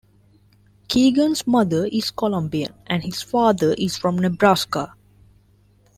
Keegan's mother is Colombian and his father is from Nebraska.